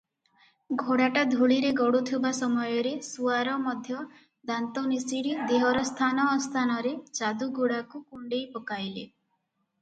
ଘୋଡ଼ାଟା ଧୂଳିରେ ଗଡୁଥିବା ସମୟରେ ସୁଆର ମଧ୍ୟ ଦାନ୍ତନିଷିଡ଼ି ଦେହର ସ୍ଥାନ ଅସ୍ଥାନରେ ଯାଦୁଗୁଡ଼ାକୁ କୁଣ୍ତେଇ ପକାଇଲେ ।